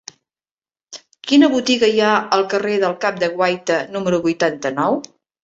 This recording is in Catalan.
Quina botiga hi ha al carrer del Cap de Guaita número vuitanta-nou?